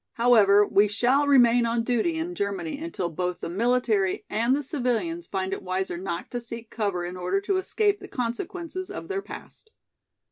However, we shall remain on duty in Germany until both the military and the civilians find it wiser not to seek cover in order to escape the consequences of their past."